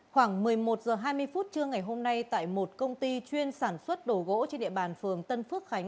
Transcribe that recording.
khoảng một mươi một h hai mươi phút trưa ngày hôm nay tại một công ty chuyên sản xuất đồ gỗ trên địa bàn phường tân phước khánh